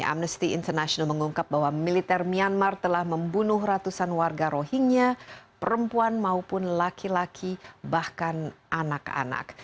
amnesty international mengungkap bahwa militer myanmar telah membunuh ratusan warga rohingya perempuan maupun laki laki bahkan anak anak